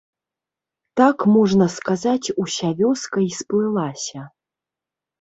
Так, можна сказаць, уся вёска і сплылася.